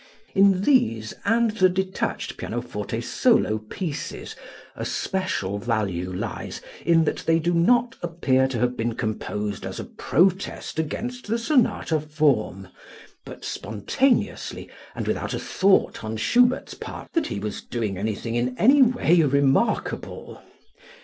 In these and the detached pianoforte solo pieces a special value lies in that they do not appear to have been composed as a protest against the sonata form, but spontaneously and without a thought on Schubert's part that he was doing anything in any way remarkable.